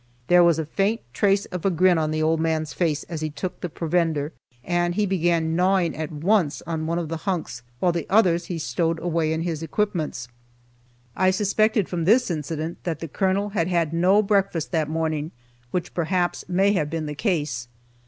There was a faint trace of a grin on the old man's face as he took the provender, and he began gnawing at once on one of the hunks, while the others he stowed away in his equipments. I suspected from this incident that the Colonel had had no breakfast that morning, which perhaps may have been the case.